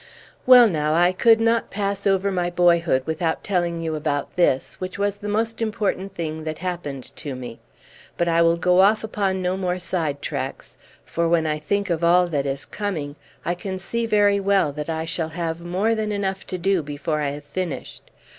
Well now, I could not pass over my boyhood without telling you about this, which was the most important thing that happened to me. But I will go off upon no more side tracks; for when I think of all that is coming, I can see very well that I shall have more than enough to do before I have finished.